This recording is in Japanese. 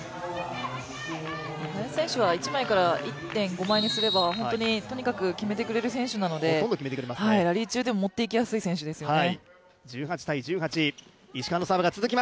林選手は一枚から１．５枚にすればほとんど決めてくれる選手なのでラリー中でも持っていきやすい選手ですよね。